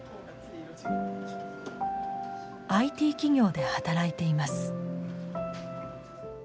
ＩＴ企業で働いています。